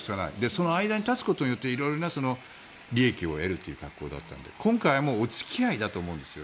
その間に立つことによって色々な利益を得るという格好だったので今回もお付き合いだと思うんです。